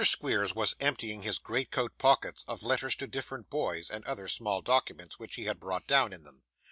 Squeers was emptying his great coat pockets of letters to different boys, and other small documents, which he had brought down in them.